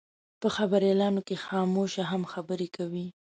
په خبریالانو کې خاموشه هم خبرې کوي.